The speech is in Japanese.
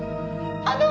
あの！